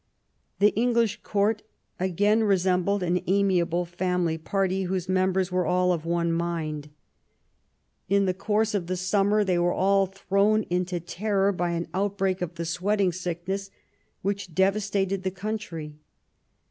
The English Court again resembled an amiable family party, whose members were all of one mind. In the course of the summer they were all thrown into terror by an outbreak of the "Sweating Sickness," which devastated the country.